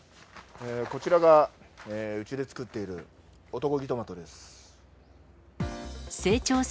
こちらが、うちで作っている男気トマトです。